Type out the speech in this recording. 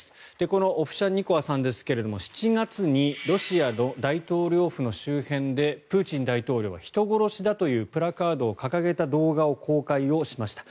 このオフシャンニコワさんですが７月にロシアの大統領府の周辺でプーチン大統領は人殺しだというプラカードを掲げた動画を公開しました。